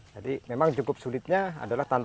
jadi memang cukup sulitnya adalah tantangan